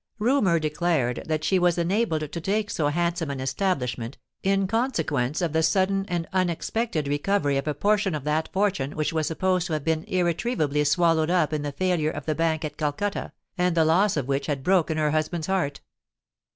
Rumour declared that she was enabled to take so handsome an establishment, in consequence of the sudden and unexpected recovery of a portion of that fortune which was supposed to have been irretrievably swallowed up in the failure of the bank at Calcutta, and the loss of which had broken her husband's heart.